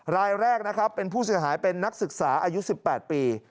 รายแรกนะครับเป็นผู้เสียหายเป็นนักศึกษาอายุ๑๘ปี